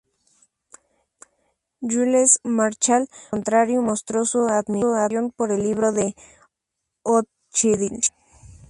Jules Marchal, por el contrario, mostró su admiración por el libro de Hochschild.